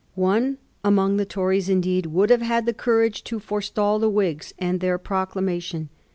One among the Tories indeed would have had the courage to forestall the Whigs and their procla mation.